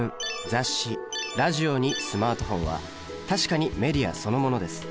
雑誌ラジオにスマートフォンは確かにメディアそのものです。